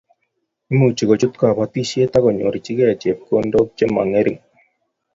Imuchi kochut kobotisiet akonyorchikei chepkondok che mongering